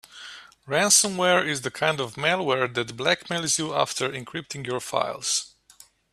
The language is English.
Ransomware is the kind of malware that blackmails you after encrypting your files.